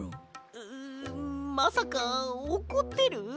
ううまさかおこってる？